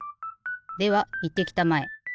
ではいってきたまえ。